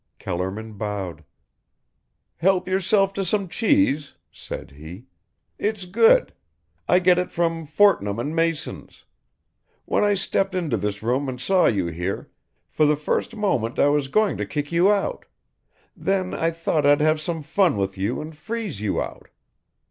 Kellerman bowed. "Help yourself to some cheese," said he, "it's good. I get it from Fortnum and Masons. When I stepped into this room and saw you here, for the first moment I was going to kick you out, then I thought I'd have some fun with you and freeze you out.